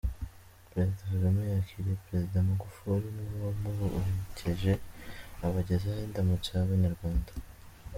Perezida kagame yakiriye Perezida Magufuli n’abamuherekeje, abagezaho indamutso y’Abanyarwanda.